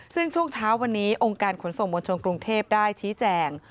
ซึ่งช่วงเช้าวันนี้องค์การขนส่งมวลชนกรุงเทพได้ชี้แจง